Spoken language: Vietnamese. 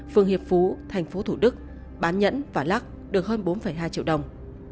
phường hiệp phú thành phố thủ đức bán nhẫn và lắc được hơn bốn hai triệu đồng